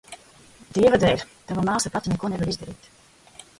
Dieva dēļ, tava māsa pati neko nevar izdarīt.